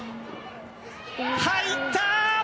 入った！